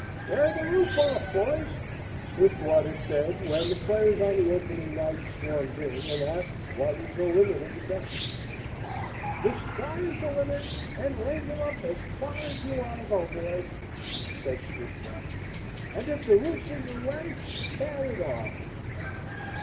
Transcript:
"Tear the roof off, boys!" Swiftwater said when the players on the opening night swarmed in and asked what was the limit of the bets. "The sky is the limit and raise her up as far as you want to go, boys," said Swiftwater, "and if the roof's in your way, tear it off!"